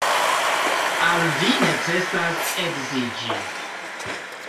Al vi necesas edziĝi.